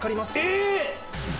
えっ！